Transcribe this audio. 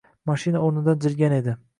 Mashina o‘rnidan jilgan edi.